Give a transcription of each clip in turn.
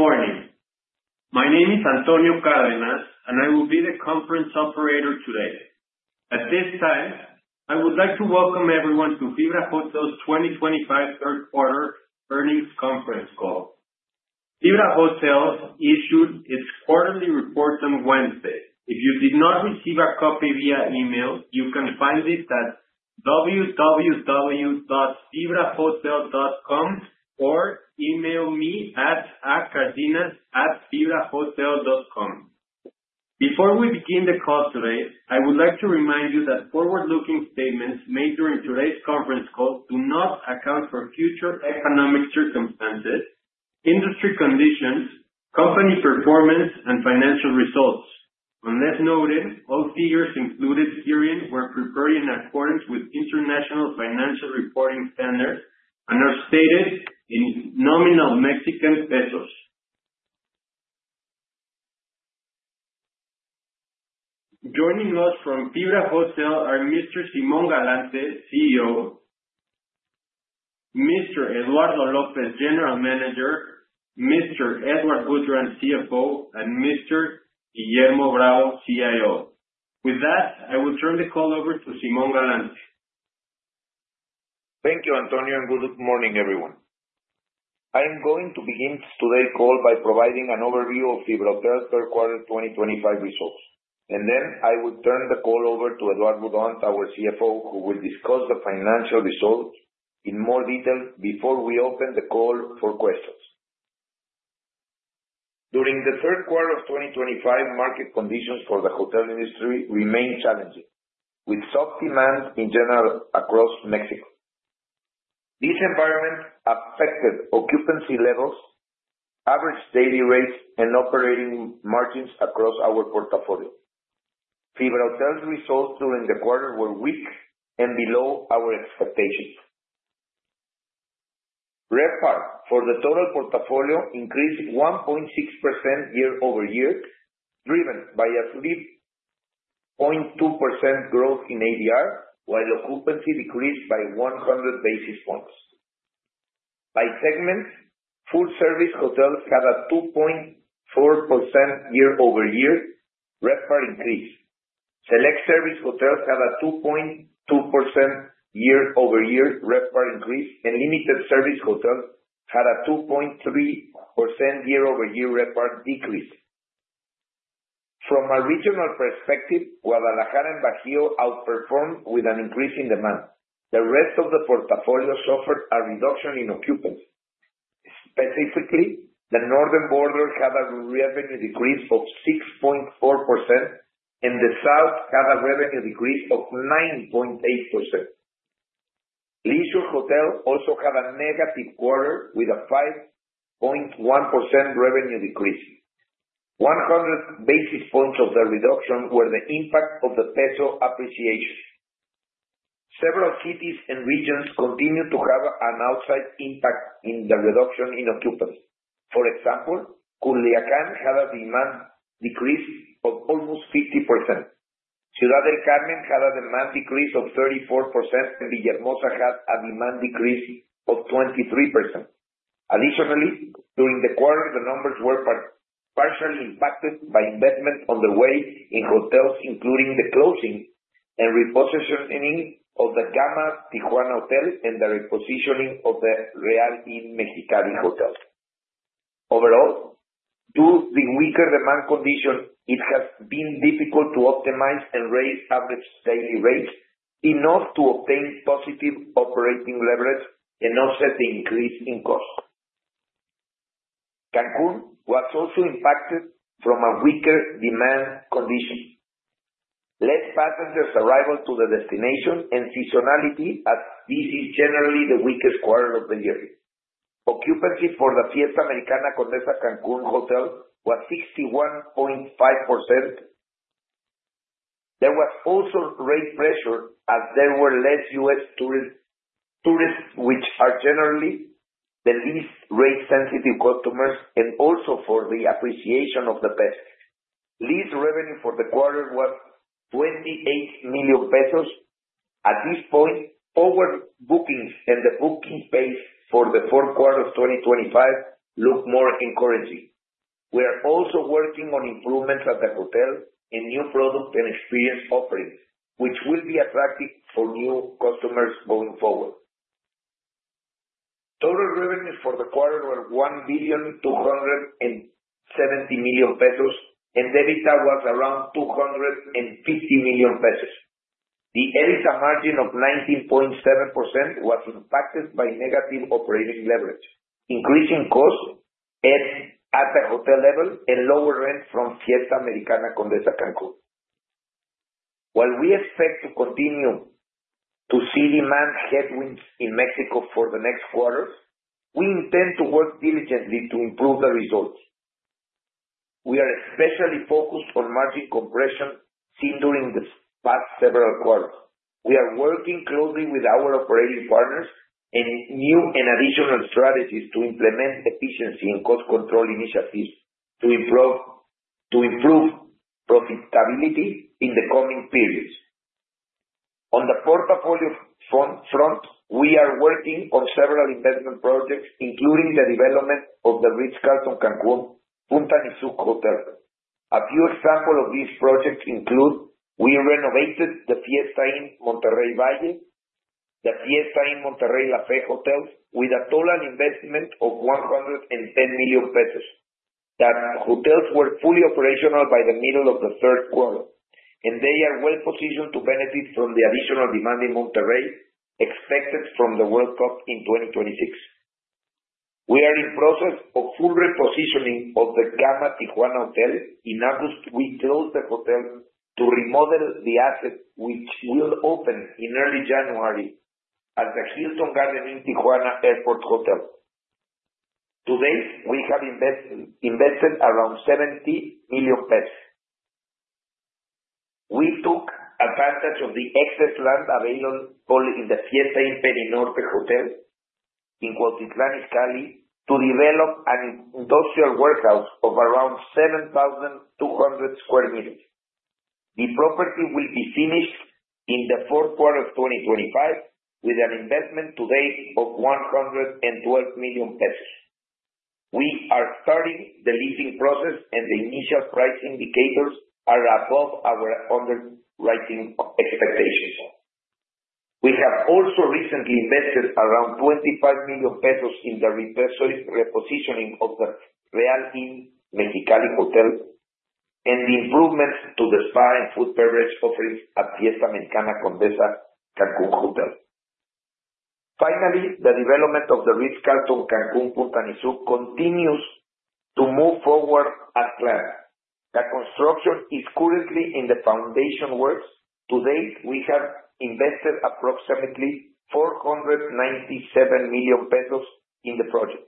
Good morning. My name is Antonio Cárdenas, and I will be the conference operator today. At this time, I would like to welcome everyone to FibraHotel's 2025 third-quarter earnings conference call. FibraHotel issued its quarterly report on Wednesday. If you did not receive a copy via email, you can find it at www.fibrahotel.com or email me at acardenas@fibrahotel.com. Before we begin the call today, I would like to remind you that forward-looking statements made during today's conference call do not account for future economic circumstances, industry conditions, company performance, and financial results. On this note, all figures included herein were prepared in accordance with international financial reporting standards and are stated in nominal Mexican pesos. Joining us from FibraHotel are Mr. Simón Galante, CEO, Mr. Eduardo López, General Manager, Mr. Edouard Boudrant, CFO, and Mr. Guillermo Bravo, CIO. With that, I will turn the call over to Simón Galante. Thank you, Antonio, and good morning, everyone. I am going to begin today's call by providing an overview of FibraHotel's third-quarter 2025 results, and then I will turn the call over to Edouard Boudrant, our CFO, who will discuss the financial results in more detail before we open the call for questions. During the third quarter of 2025, market conditions for the hotel industry remained challenging, with soft demand in general across Mexico. This environment affected occupancy levels, average daily rates, and operating margins across our portfolio. FibraHotel's results during the quarter were weak and below our expectations. RevPAR, for the total portfolio, increased 1.6% year-over-year, driven by a 3.2% growth in ADR, while occupancy decreased by 100 basis points. By segment, full-service hotels had a 2.4% year-over-year RevPAR increase. Select service hotels had a 2.2% year-over-year RevPAR increase, and limited service hotels had a 2.3% year-over-year RevPAR decrease. From a regional perspective, Guadalajara and Bajío outperformed with an increase in demand. The rest of the portfolio suffered a reduction in occupancy. Specifically, the northern border had a revenue decrease of 6.4%, and the south had a revenue decrease of 9.8%. Leisure Hotel also had a negative quarter with a 5.1% revenue decrease. 100 basis points of the reduction were the impact of the peso appreciation. Several cities and regions continued to have an outsized impact in the reduction in occupancy. For example, Culiacán had a demand decrease of almost 50%. Ciudad del Carmen had a demand decrease of 34%, and Villahermosa had a demand decrease of 23%. Additionally, during the quarter, the numbers were partially impacted by investment underway in hotels, including the closing and repositioning of the Gamma Tijuana Hotel and the repositioning of the Real Inn Mexicali Hotel. Overall, due to the weaker demand condition, it has been difficult to optimize and raise average daily rates enough to obtain positive operating leverage and offset the increase in cost. Cancún was also impacted from a weaker demand condition: late passengers' arrival to the destination and seasonality, as this is generally the weakest quarter of the year. Occupancy for the Fiesta Americana Condesa Cancún Hotel was 61.5%. There was also rate pressure, as there were less U.S. tourists, which are generally the least rate-sensitive customers, and also for the appreciation of the peso. Lease revenue for the quarter was 28 million pesos. At this point, overbookings and the booking pace for the fourth quarter of 2025 look more encouraging. We are also working on improvements at the hotel and new product and experience offerings, which will be attractive for new customers going forward. Total revenues for the quarter were 1 billion 270 million pesos, and EBITDA was around 250 million pesos. The EBITDA margin of 19.7% was impacted by negative operating leverage, increasing costs at the hotel level and lower rent from Fiesta Americana Condesa Cancún. While we expect to continue to see demand headwinds in Mexico for the next quarters, we intend to work diligently to improve the results. We are especially focused on margin compression seen during the past several quarters. We are working closely with our operating partners and new and additional strategies to implement efficiency and cost control initiatives to improve profitability in the coming periods. On the portfolio front, we are working on several investment projects, including the development of the Ritz-Carlton Cancún Punta Nizuc Hotel. A few examples of these projects include, we renovated the Fiesta Inn Monterrey Valle, the Fiesta Inn Monterrey La Fe hotels, with a total investment of 110 million pesos. The hotels were fully operational by the middle of the third quarter, and they are well-positioned to benefit from the additional demand in Monterrey expected from the World Cup in 2026. We are in the process of full repositioning of the Gamma Tijuana Hotel. In August, we closed the hotel to remodel the asset, which will open in early January at the Hilton Garden Inn Tijuana Airport Hotel. To date, we have invested around 70 million pesos. We took advantage of the excess land available in the Fiesta Inn Perinorte hotel in Cuautitlán Izcalli to develop an industrial warehouse of around 7,200 sq m. The property will be finished in the fourth quarter of 2025, with an investment to date of 112 million pesos. We are starting the leasing process, and the initial price indicators are above our underwriting expectations. We have also recently invested around 25 million pesos in the repositioning of the Real Inn Mexicali Hotel and the improvements to the spa and food beverage offerings at Fiesta Americana Condesa Cancún Hotel. Finally, the development of the Ritz-Carlton Cancún Punta Nizuc continues to move forward as planned. The construction is currently in the foundation works. To date, we have invested approximately 497 million pesos in the project.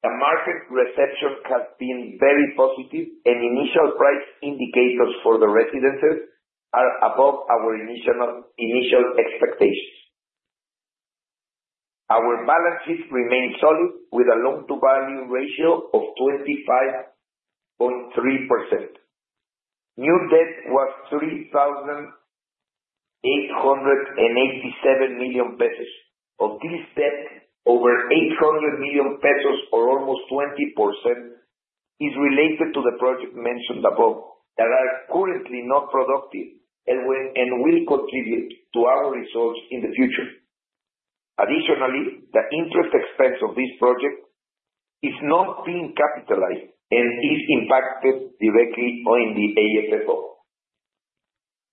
The market reception has been very positive, and initial price indicators for the residences are above our initial expectations. Our balances remain solid, with a loan-to-value ratio of 25.3%. New debt was 3,887 million pesos. Of this debt, over 800 million pesos, or almost 20%, is related to the projects mentioned above that are currently not productive and will contribute to our results in the future. Additionally, the interest expense of this project is not being capitalized and is impacted directly on the AFFO.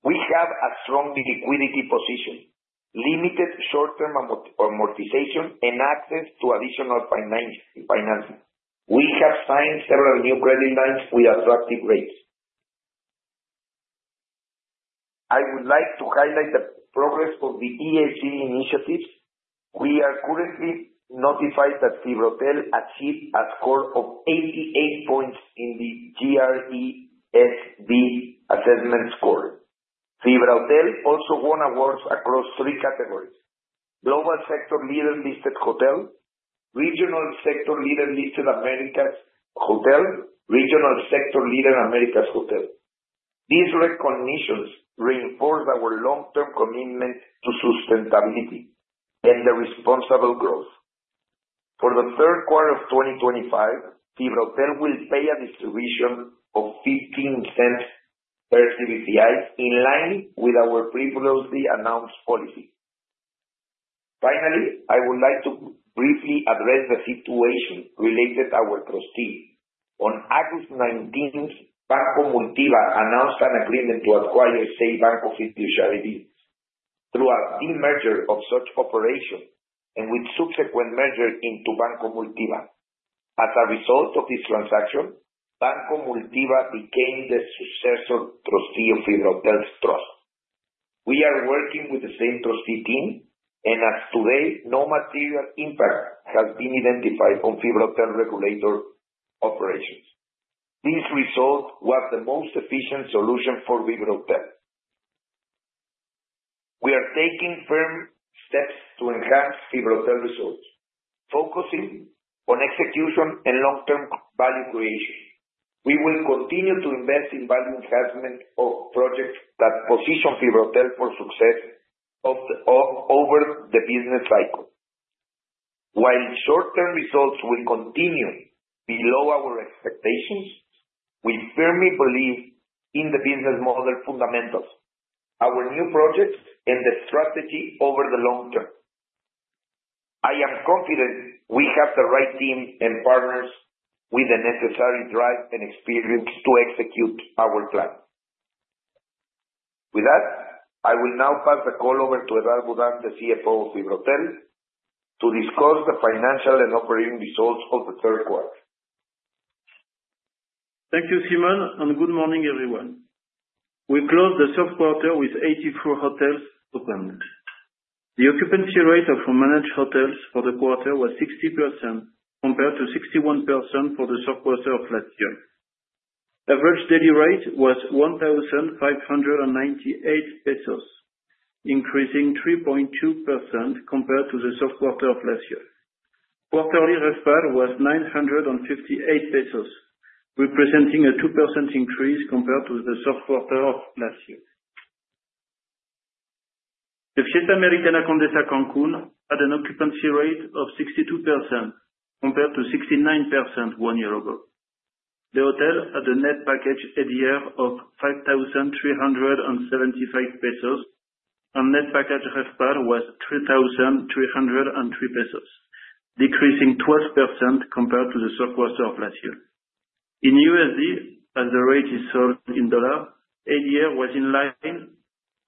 We have a strong liquidity position, limited short-term amortization, and access to additional financing. We have signed several new credit lines with attractive rates. I would like to highlight the progress of the ESG initiatives. We are currently notified that FibraHotel achieved a score of 88 points in the GRESB assessment score. FibraHotel also won awards across three categories: Global Sector Leader Listed Hotel, Regional Sector Leader Listed Hotel, and Regional Sector Leader Americas Hotel. These recognitions reinforce our long-term commitment to sustainability and responsible growth. For the third quarter of 2025, FibraHotel will pay a distribution of 0.15 per CBFI in line with our previously announced policy. Finally, I would like to briefly address the situation related to our trustee. On August 19th, Banco Multiva announced an agreement to acquire SEI Bank of Industrial Editions through a demerger of such operation and with subsequent merger into Banco Multiva. As a result of this transaction, Banco Multiva became the successor trustee of FibraHotel's trust. We are working with the same trustee team, and as of today, no material impact has been identified on FibraHotel regular operations. This result was the most efficient solution for FibraHotel. We are taking firm steps to enhance FibraHotel results, focusing on execution and long-term value creation. We will continue to invest in value enhancement of projects that position FibraHotel for success over the business cycle. While short-term results will continue below our expectations, we firmly believe in the business model fundamentals, our new projects, and the strategy over the long term. I am confident we have the right team and partners with the necessary drive and experience to execute our plan. With that, I will now pass the call over to Edouard Boudrant, CFO of FibraHotel, to discuss the financial and operating results of the third quarter. Thank you, Simón, and good morning, everyone. We closed the fourth quarter with 84 hotels opened. The occupancy rate of managed hotels for the quarter was 60% compared to 61% for the fourth quarter of last year. Average daily rate was 1,598 pesos, increasing 3.2% compared to the fourth quarter of last year. Quarterly RevPAR was 958 pesos, representing a 2% increase compared to the fourth quarter of last year. The Fiesta Americana Condesa Cancún had an occupancy rate of 62% compared to 69% one year ago. The hotel had a net package ADR year of 5,375 pesos, and net package RevPAR was 3,303 pesos, decreasing 12% compared to the fourth quarter of last year. In USD, as the rate is sold in dollars, ADR was in line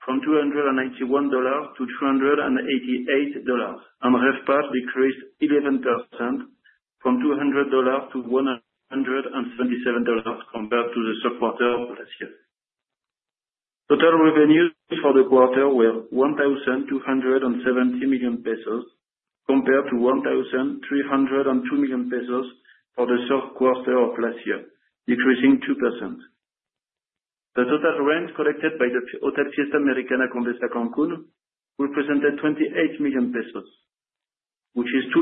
from $291-$288, and RevPAR decreased 11% from $200-$177 compared to the fourth quarter of last year. Total revenues for the quarter were 1,270 million pesos compared to 1,302 million pesos for the fourth quarter of last year, decreasing 2%. The total rent collected by the hotel Fiesta Americana Condesa Cancún represented 28 million pesos, which is 2%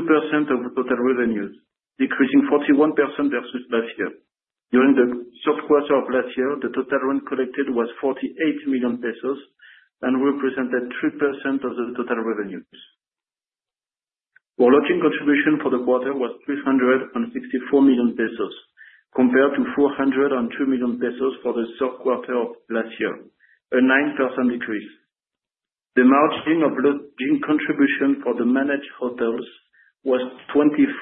of the total revenues, decreasing 41% versus last year. During the fourth quarter of last year, the total rent collected was 48 million pesos and represented 3% of the total revenues. The lodging contribution for the quarter was 364 million pesos compared to 402 million pesos for the fourth quarter of last year, a 9% decrease. The margin of lodging contribution for the managed hotels was 25.8%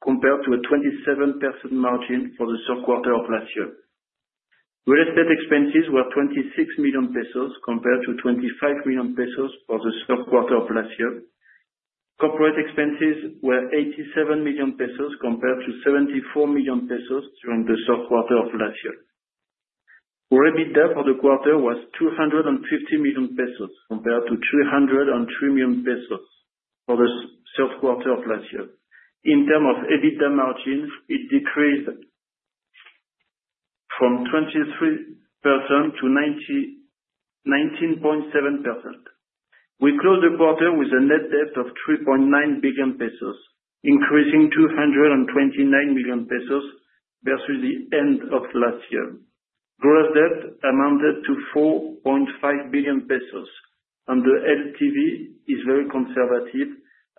compared to a 27% margin for the fourth quarter of last year. Real estate expenses were 26 million pesos compared to 25 million pesos for the fourth quarter of last year. Corporate expenses were 87 million pesos compared to 74 million pesos during the fourth quarter of last year. For EBITDA for the quarter was 250 million pesos compared to 303 million pesos for the fourth quarter of last year. In terms of EBITDA margins, it decreased from 23% to 19.7%. We closed the quarter with a net debt of 3.9 billion pesos, increasing 229 million pesos versus the end of last year. Gross debt amounted to 4.5 billion pesos, and the LTV is very conservative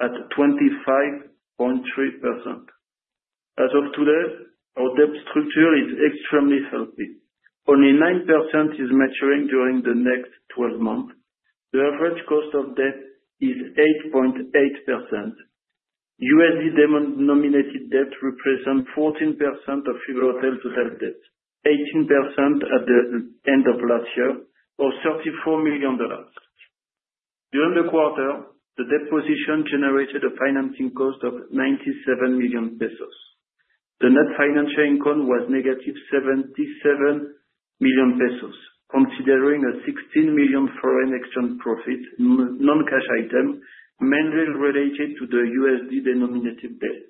at 25.3%. As of today, our debt structure is extremely healthy. Only 9% is maturing during the next 12 months. The average cost of debt is 8.8%. USD denominated debt represents 14% of FibraHotel's total debt, 18% at the end of last year, or $34 million. During the quarter, the debt position generated a financing cost of 97 million pesos. The net financial income was negative 77 million pesos, considering a 16 million foreign exchange profit, non-cash item, mainly related to the USD denominated debt.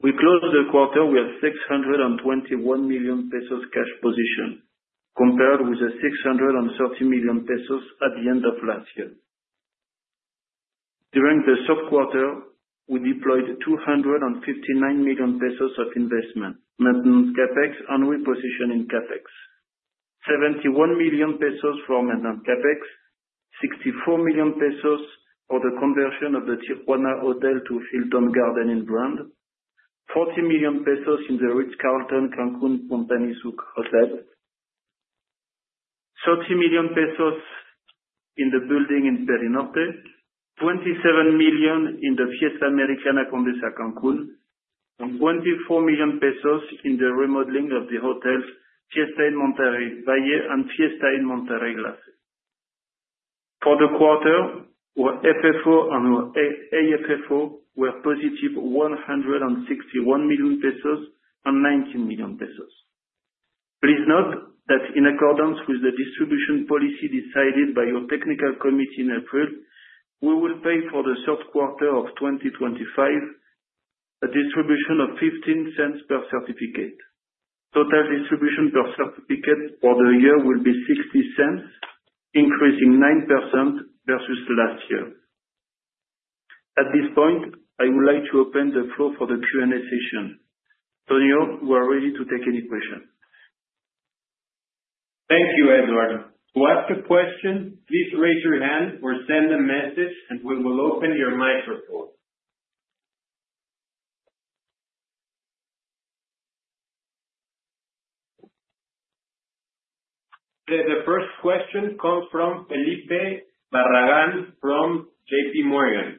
We closed the quarter with a 621 million pesos cash position compared with a 630 million pesos at the end of last year. During the fourth quarter, we deployed 259 million pesos of investment, maintenance CapEx, and repositioning CapEx. 71 million pesos from maintenance CapEx, 64 million pesos for the conversion of the Tijuana Hotel to Hilton Garden Inn brand, 40 million pesos in the Ritz-Carlton Cancún Punta Nizuc Hotel, 30 million pesos in the building in Perinorte, 27 million in the Fiesta Americana Condesa Cancún, and 24 million pesos in the remodeling of the hotels Fiesta Inn Monterrey Valle and Fiesta Inn Monterrey La Fe. For the quarter, our FFO and our AFFO were positive 161 million pesos and 19 million pesos. Please note that in accordance with the distribution policy decided by our technical committee in April, we will pay for the fourth quarter of 2025 a distribution of 0.15 per certificate. Total distribution per certificate for the year will be 0.60, increasing 9% versus last year. At this point, I would like to open the floor for the Q&A session. Simón, you are ready to take any questions. Thank you, Eduardo. To ask a question, please raise your hand or send a message, and we will open your microphone. The first question comes from Felipe Barragán from JPMorgan.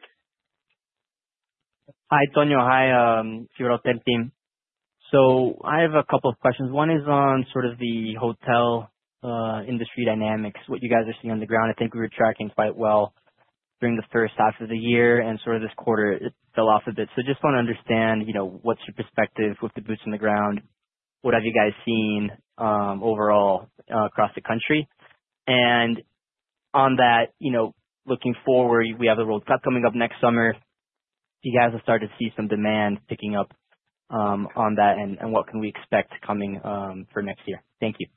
Hi, Tonio. Hi, FibraHotel team. So I have a couple of questions. One is on sort of the hotel industry dynamics, what you guys are seeing on the ground. I think we were tracking quite well during the first half of the year, and sort of this quarter, it fell off a bit. So just want to understand, you know, what's your perspective with the boots on the ground? What have you guys seen, overall, across the country? And on that, you know, looking forward, we have the World Cup coming up next summer. Do you guys have started to see some demand picking up, on that, and what can we expect coming, for next year? Thank you.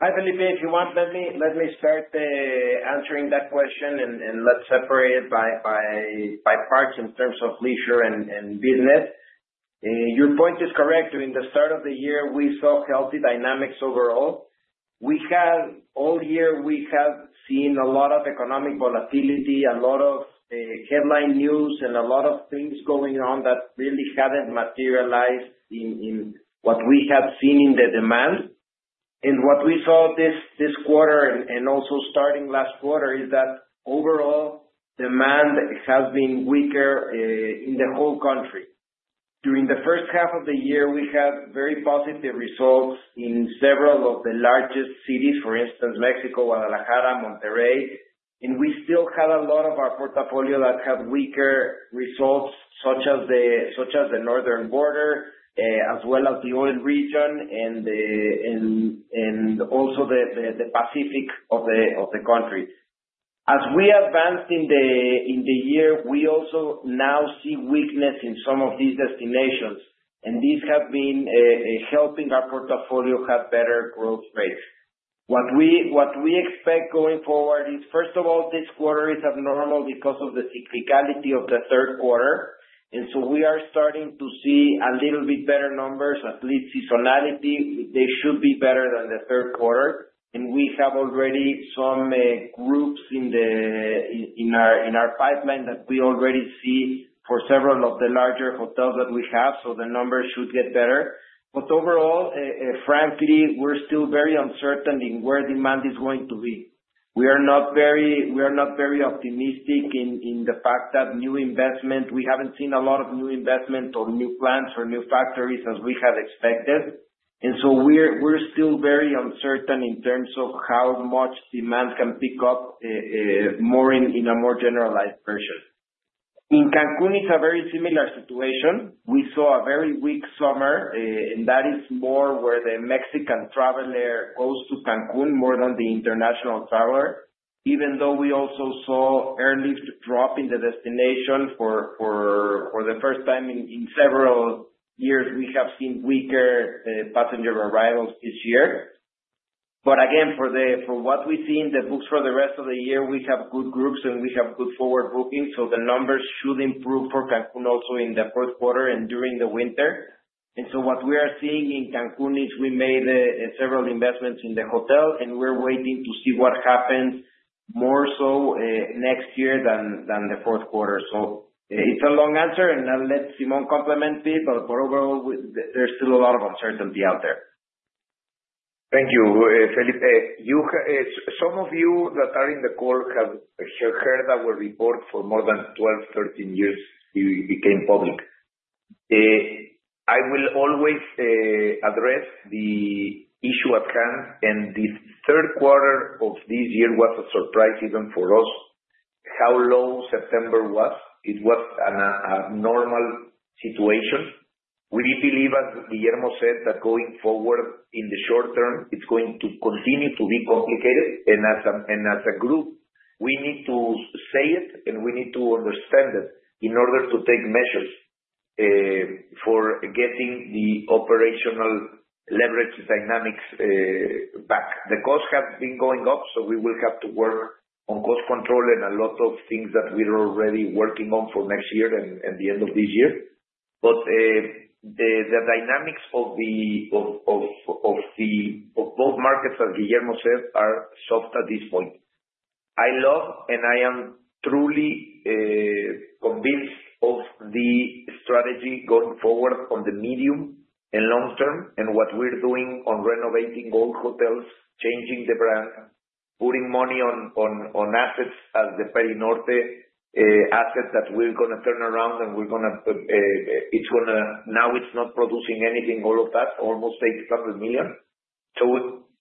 Hi, Felipe. If you want, let me start answering that question, and let's separate it by parts in terms of leisure and business. Your point is correct. During the start of the year, we saw healthy dynamics overall. All year, we have seen a lot of economic volatility, a lot of headline news, and a lot of things going on that really haven't materialized in what we have seen in the demand. What we saw this quarter, and also starting last quarter, is that overall demand has been weaker in the whole country. During the first half of the year, we had very positive results in several of the largest cities, for instance, Mexico, Guadalajara, Monterrey, and we still had a lot of our portfolio that had weaker results, such as the northern border, as well as the oil region, and also the Pacific of the country. As we advance in the year, we also now see weakness in some of these destinations, and these have been helping our portfolio have better growth rates. What we expect going forward is, first of all, this quarter is abnormal because of the cyclicality of the third quarter, and so we are starting to see a little bit better numbers, at least seasonality. They should be better than the third quarter, and we have already some groups in our pipeline that we already see for several of the larger hotels that we have, so the numbers should get better. But overall, frankly, we're still very uncertain in where demand is going to be. We are not very optimistic in the fact that new investment, we haven't seen a lot of new investment or new plants or new factories as we had expected, and so we're still very uncertain in terms of how much demand can pick up more in a more generalized version. In Cancún, it's a very similar situation. We saw a very weak summer, and that is more where the Mexican traveler goes to Cancún more than the international traveler, even though we also saw early drop in the destination. For the first time in several years, we have seen weaker passenger arrivals this year, but again, for what we see in the books for the rest of the year, we have good groups, and we have good forward bookings, so the numbers should improve for Cancún also in the fourth quarter and during the winter. And so what we are seeing in Cancún is we made several investments in the hotel, and we're waiting to see what happens more so next year than the fourth quarter. So it's a long answer, and I'll let Simón complement it, but overall, there's still a lot of uncertainty out there. Thank you, Felipe. Some of you that are in the call have heard our report for more than 12, 13 years. It became public. I will always address the issue at hand, and this third quarter of this year was a surprise even for us, how low September was. It was an abnormal situation. We believe, as Guillermo said, that going forward in the short term, it's going to continue to be complicated, and as a group, we need to say it, and we need to understand it in order to take measures for getting the operational leverage dynamics back. The costs have been going up, so we will have to work on cost control and a lot of things that we're already working on for next year and the end of this year, but the dynamics of both markets, as Guillermo said, are soft at this point. I love, and I am truly convinced of the strategy going forward on the medium and long term, and what we're doing on renovating old hotels, changing the brand, putting money on assets as the Perinorte asset that we're going to turn around, and we're going to, it's going to, now it's not producing anything, all of that, almost 800 million. So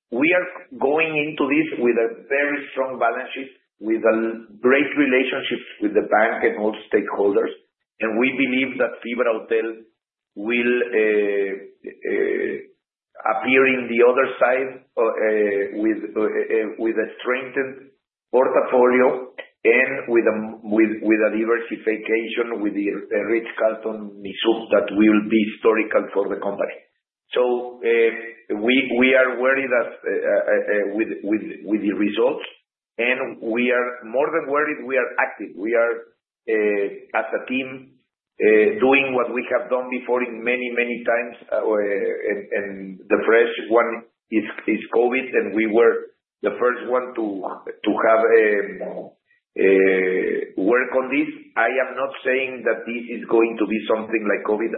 we are going into this with a very strong balance sheet, with great relationships with the bank and all stakeholders, and we believe that FibraHotel will appear on the other side with a strengthened portfolio and with a diversification with the Ritz-Carlton Nizuc that will be historical for the company. So we are worried with the results, and we are more than worried. We are active. We are, as a team, doing what we have done before many, many times, and the first one is COVID, and we were the first one to work on this. I am not saying that this is going to be something like COVID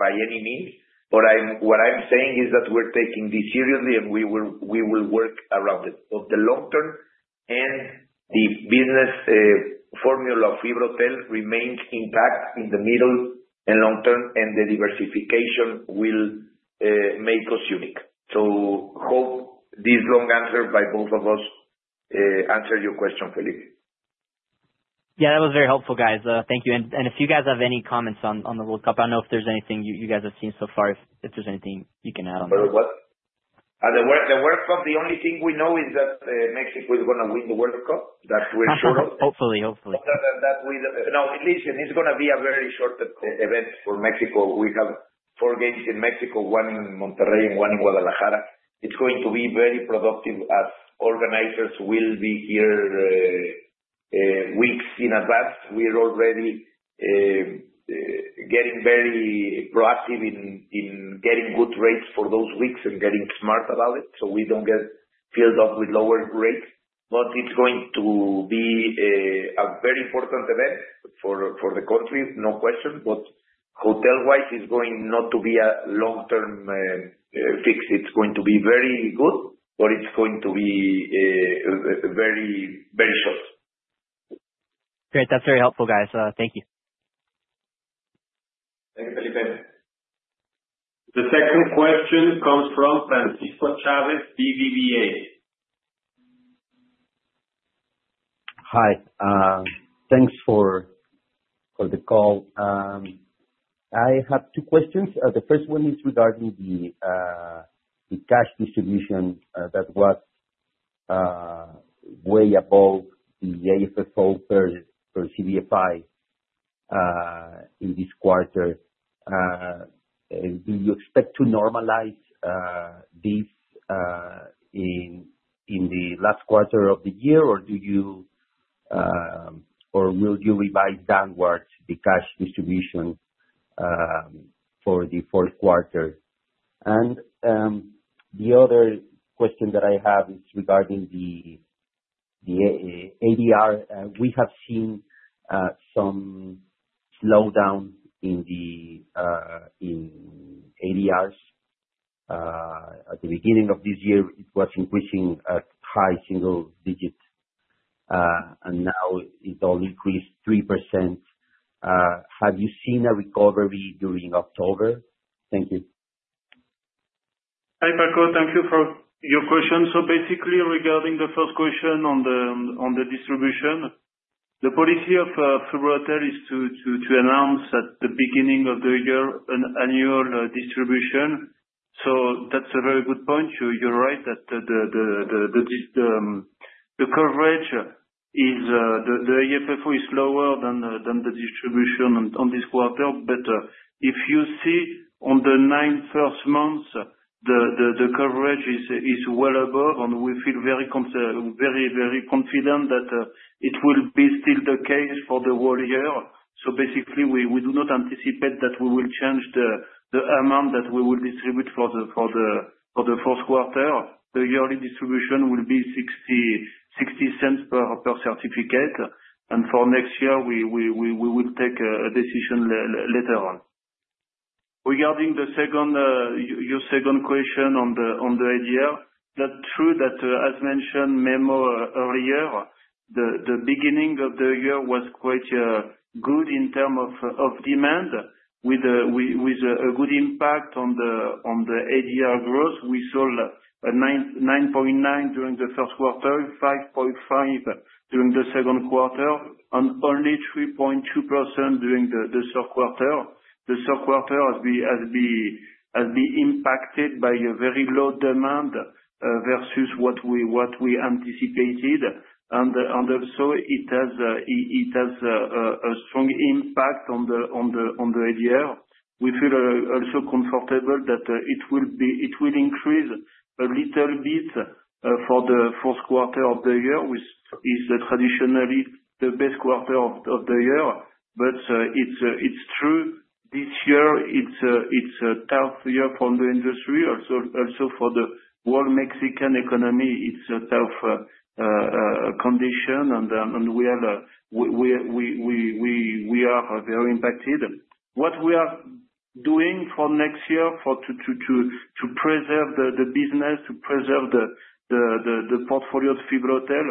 by any means, but what I'm saying is that we're taking this seriously, and we will work around it, but the long term and the business formula of FibraHotel remains intact in the middle and long term, and the diversification will make us unique, so hope this long answer by both of us answered your question, Felipe. Yeah, that was very helpful, guys. Thank you. And if you guys have any comments on the World Cup, I don't know if there's anything you guys have seen so far, if there's anything you can add on that. The World Cup, the only thing we know is that Mexico is going to win the World Cup, that we're sure of. Hopefully, hopefully. No, at least it's going to be a very short event for Mexico. We have four games in Mexico, one in Monterrey, and one in Guadalajara. It's going to be very productive as organizers will be here weeks in advance. We're already getting very proactive in getting good rates for those weeks and getting smart about it, so we don't get filled up with lower rates. But it's going to be a very important event for the country, no question, but hotel-wise, it's going not to be a long-term fix. It's going to be very good, but it's going to be very, very short. Great. That's very helpful, guys. Thank you. Thank you, Felipe. The second question comes from Francisco Chávez, BBVA. Hi. Thanks for the call. I have two questions. The first one is regarding the cash distribution that was way above the AFFO per CBFI in this quarter. Do you expect to normalize this in the last quarter of the year, or will you revise downwards the cash distribution for the fourth quarter? And the other question that I have is regarding the ADR. We have seen some slowdown in the ADRs. At the beginning of this year, it was increasing at high single digits, and now it's all increased 3%. Have you seen a recovery during October? Thank you. Hi, Franco. Thank you for your question. So basically, regarding the first question on the distribution, the policy of FibraHotel is to announce at the beginning of the year an annual distribution. So that's a very good point. You're right that the coverage, the AFFO, is lower than the distribution on this quarter, but if you see on the nine first months, the coverage is well above, and we feel very confident that it will be still the case for the whole year. So basically, we do not anticipate that we will change the amount that we will distribute for the fourth quarter. The yearly distribution will be 0.60 per certificate, and for next year, we will take a decision later on. Regarding your second question on the ADR, that's true that, as mentioned Guillermo earlier, the beginning of the year was quite good in terms of demand, with a good impact on the ADR growth. We saw 9.9% during the first quarter, 5.5% during the second quarter, and only 3.2% during the third quarter. The third quarter has been impacted by a very low demand versus what we anticipated, and so it has a strong impact on the ADR. We feel also comfortable that it will increase a little bit for the fourth quarter of the year, which is traditionally the best quarter of the year, but it's true. This year, it's a tough year for the industry. Also, for the whole Mexican economy, it's a tough condition, and we are very impacted. What we are doing for next year to preserve the business, to preserve the portfolio of FibraHotel,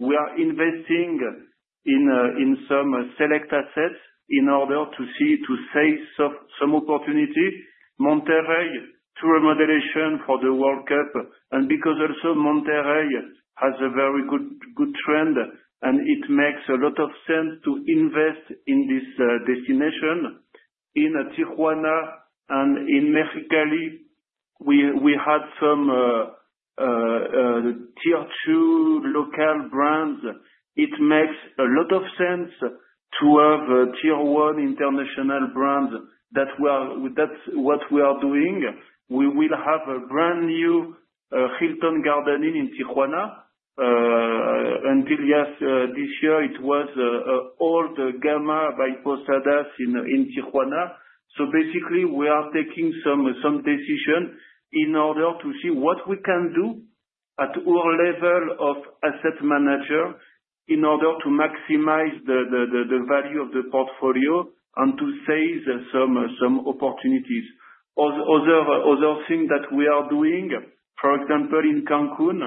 we are investing in some select assets in order to save some opportunity. Monterrey to remodeling for the World Cup, and because also Monterrey has a very good trend, and it makes a lot of sense to invest in this destination. In Tijuana and in Mexicali, we had some tier two local brands. It makes a lot of sense to have tier one international brands. That's what we are doing. We will have a brand new Hilton Garden Inn in Tijuana. Until just this year, it was old Gamma by Posadas in Tijuana. So basically, we are taking some decisions in order to see what we can do at our level of asset manager in order to maximize the value of the portfolio and to save some opportunities. Other things that we are doing, for example, in Cancún,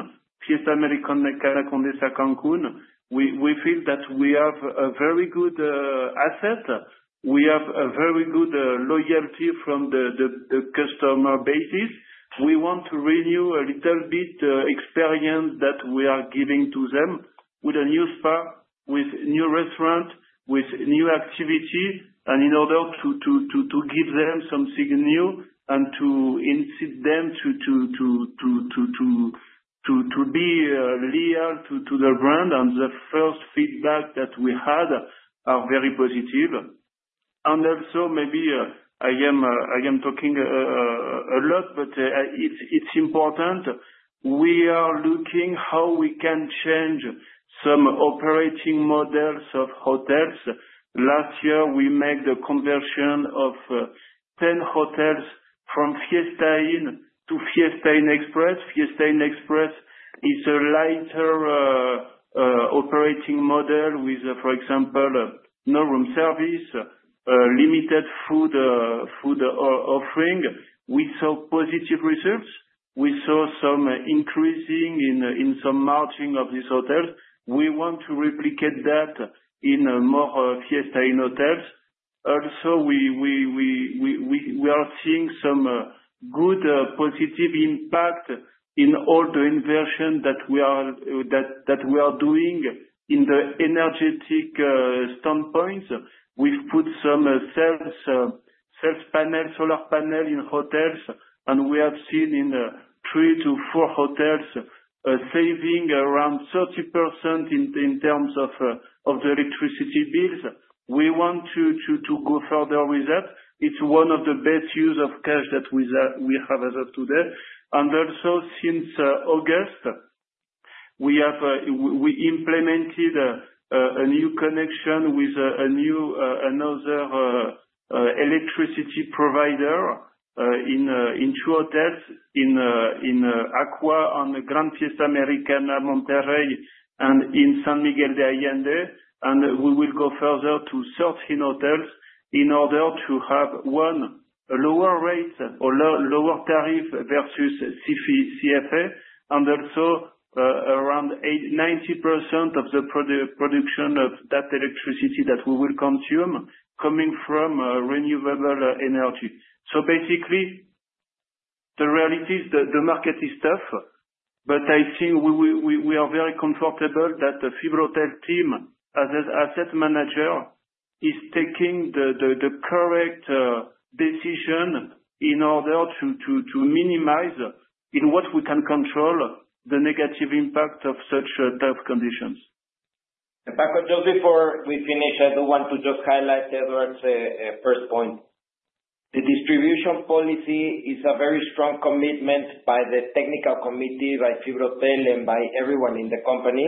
Fiesta Americana Condesa Cancún, we feel that we have a very good asset. We have a very good loyalty from the customer base. We want to renew a little bit the experience that we are giving to them with a new spa, with new restaurant, with new activity, and in order to give them something new and to incite them to be loyal to the brand, and the first feedback that we had are very positive, and also, maybe I am talking a lot, but it's important. We are looking at how we can change some operating models of hotels. Last year, we made the conversion of 10 hotels from Fiesta Inn to Fiesta Inn Express. Fiesta Inn Express is a lighter operating model with, for example, no room service, limited food offering. We saw positive results. We saw some increase in some marketing of these hotels. We want to replicate that in more Fiesta Inn hotels. Also, we are seeing some good positive impact in all the investments that we are doing in the energy standpoint. We've put some solar panels in hotels, and we have seen in three to four hotels saving around 30% in terms of the electricity bills. We want to go further with that. It's one of the best use of cash that we have as of today, and also, since August, we implemented a new connection with another electricity provider in two hotels: in Aqua and the Grand Fiesta Americana Monterrey and in San Miguel de Allende. And we will go further to Fiesta Inn hotels in order to have lower rates or lower tariffs versus CFA, and also around 90% of the production of that electricity that we will consume coming from renewable energy. So basically, the reality is the market is tough, but I think we are very comfortable that the FibraHotel team, as an asset manager, is taking the correct decision in order to minimize, in what we can control, the negative impact of such tough conditions. Francisco, just before we finish, I do want to just highlight Edward's first point. The distribution policy is a very strong commitment by the technical committee, by FibraHotel, and by everyone in the company.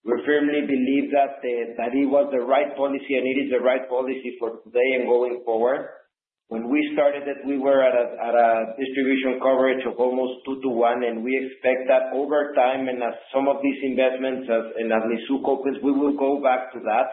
We firmly believe that it was the right policy, and it is the right policy for today and going forward. When we started it, we were at a distribution coverage of almost two to one, and we expect that over time and as some of these investments and as Nisú copies, we will go back to that.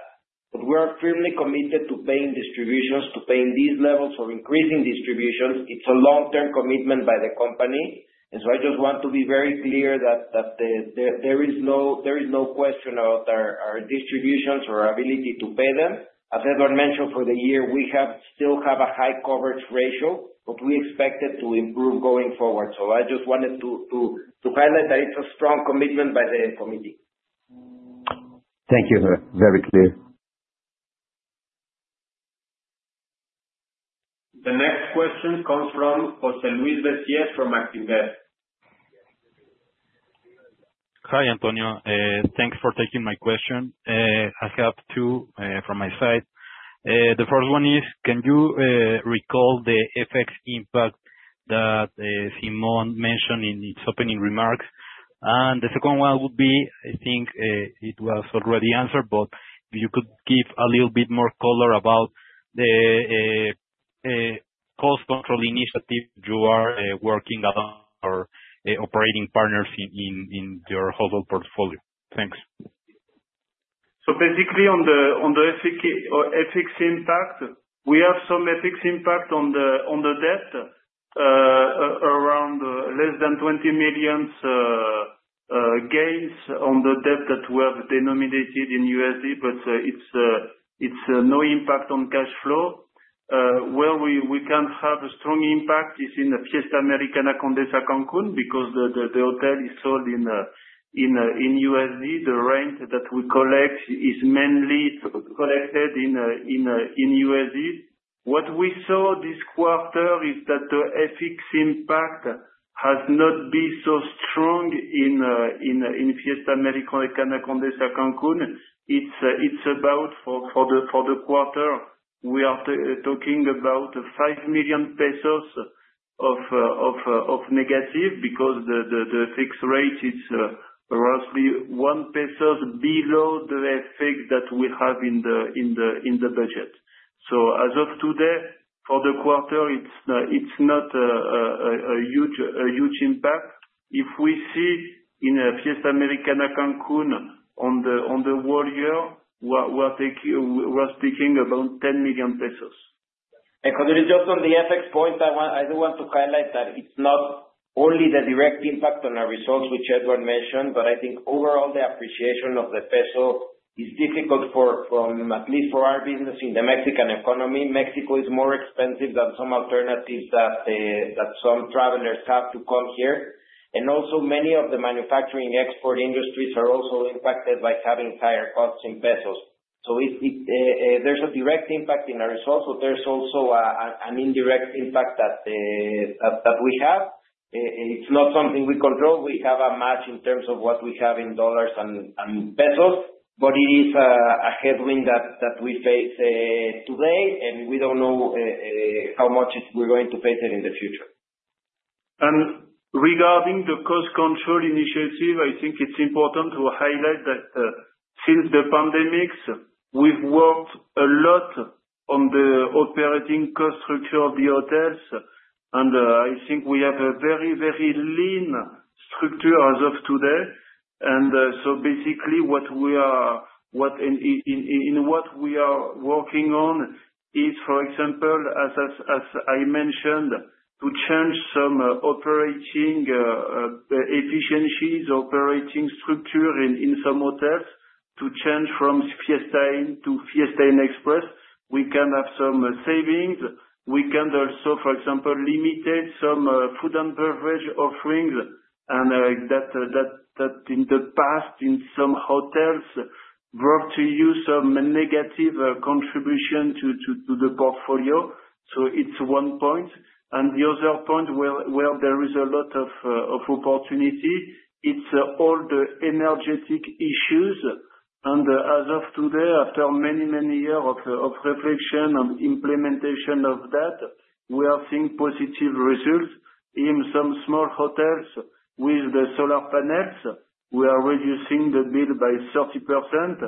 But we are firmly committed to paying distributions, to paying these levels or increasing distributions. It's a long-term commitment by the company, and so I just want to be very clear that there is no question about our distributions or our ability to pay them. As Edouard mentioned, for the year, we still have a high coverage ratio, but we expect it to improve going forward. So I just wanted to highlight that it's a strong commitment by the committee. Thank you. Very clear. The next question comes from José Luis Bessi from Actinver. Hi, Antonio. Thanks for taking my question. I have two from my side. The first one is, can you recall the effects impact that Simón mentioned in his opening remarks? And the second one would be, I think it was already answered, but if you could give a little bit more color about the cost control initiative you are working on or operating partners in your whole portfolio. Thanks. So basically, on the FX impact, we have some FX impact on the debt around less than $20 million gains on the debt that we have denominated in USD, but it's no impact on cash flow. Where we can have a strong impact is in the Fiesta Americana Condesa Cancún because the hotel is sold in USD. The rent that we collect is mainly collected in USD. What we saw this quarter is that the FX impact has not been so strong in Fiesta Americana Condesa Cancún. It's about, for the quarter, we are talking about 5 million pesos of negative because the fixed rate is roughly one peso below the effect that we have in the budget. So as of today, for the quarter, it's not a huge impact. If we see in Fiesta Americana Cancún on the whole year, we are speaking about 10 million pesos. José Luis, just on the ethics points, I do want to highlight that it's not only the direct impact on our results, which Edward mentioned, but I think overall the appreciation of the peso is difficult, at least for our business in the Mexican economy. Mexico is more expensive than some alternatives that some travelers have to come here. And also, many of the manufacturing export industries are also impacted by having higher costs in pesos. So there's a direct impact in our results, but there's also an indirect impact that we have. It's not something we control. We have a match in terms of what we have in dollars and pesos, but it is a headwind that we face today, and we don't know how much we're going to face it in the future. And regarding the cost control initiative, I think it's important to highlight that since the pandemic, we've worked a lot on the operating cost structure of the hotels, and I think we have a very, very lean structure as of today. And so basically, in what we are working on is, for example, as I mentioned, to change some operating efficiencies, operating structure in some hotels, to change from Fiesta Inn to Fiesta Inn Express. We can have some savings. We can also, for example, limit some food and beverage offerings, and that in the past, in some hotels, brought to you some negative contribution to the portfolio. So it's one point. And the other point where there is a lot of opportunity, it's all the energy issues. And as of today, after many, many years of reflection and implementation of that, we are seeing positive results. In some small hotels with the solar panels, we are reducing the bill by 30%,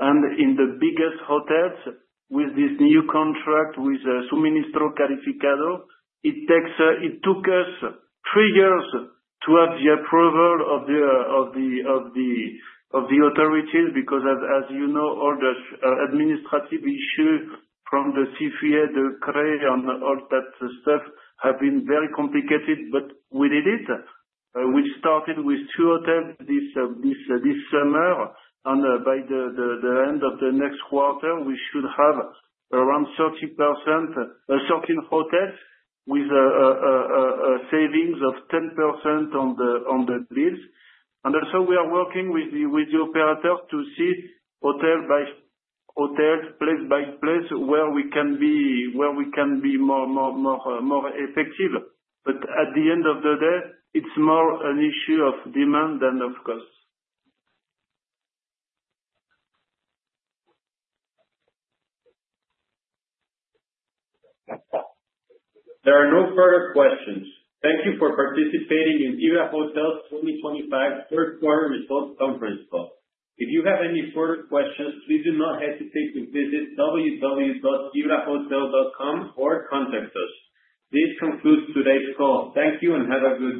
and in the biggest hotels, with this new contract with Suministro Calificado, it took us three years to have the approval of the authorities because, as you know, all the administrative issues from the CFE, the CRE, and all that stuff have been very complicated, but we did it. We started with two hotels this summer, and by the end of the next quarter, we should have around 13 hotels with savings of 10% on the bills, and also, we are working with the operators to see hotel by hotel, place by place, where we can be more effective, but at the end of the day, it's more an issue of demand than of cost. There are no further questions. Thank you for participating in FibraHotel 2025 Third Quarter Results Conference Call. If you have any further questions, please do not hesitate to visit www.fibrah.com.mx or contact us. This concludes today's call. Thank you and have a good.